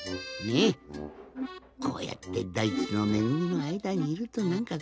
こうやってだいちのめぐみのあいだにいるとなんか